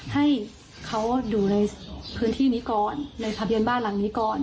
ให้เขาอยู่ในพื้นที่นี้ก่อนในทะเบียนบ้านหลังนี้ก่อน